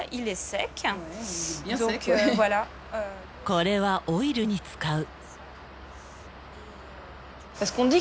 これはオイルに使う。